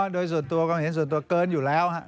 โดยส่วนตัวความเห็นส่วนตัวเกินอยู่แล้ว